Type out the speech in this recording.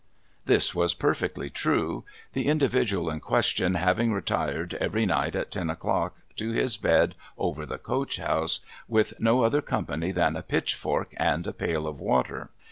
This was perfectly true ; the individual in question having retired, every night at ten o'clock, to his bed over the coach liouse, with no other company than a pitchfork and a pail of water.